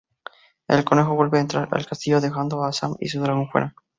El conejo vuelve a entrar al castillo dejando a Sam y su dragón fuera.